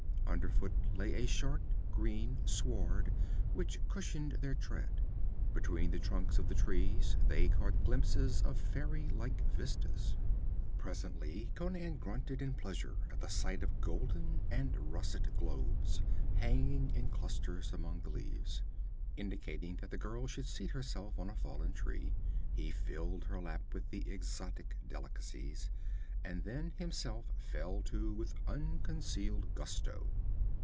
Underfoot lay a short green sward which cushioned their tread. Between the trunks of the trees they caught glimpses of faery like vistas. Presently Conan grunted in pleasure at the sight of golden and russet globes hanging in clusters among the leaves. Indicating that the girl should seat herself on a fallen tree, he filled her lap with the exotic delicacies, and then himself fell to with unconcealed gusto.